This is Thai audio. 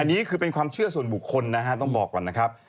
อันนี้คือเป็นความเชื่อส่วนบุคคลนะฮะต้องบอกก่อนนะครับ